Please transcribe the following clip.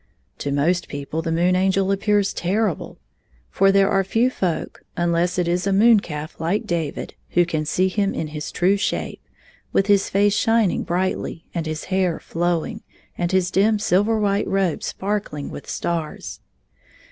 To most people the Moon Angel appears terri ble. For there are few folk, unless it is a moon calf like David, who can see him in his true shape, with his face shining brightly, and his hair flowing, and his dim silver white robe sparkling with stars.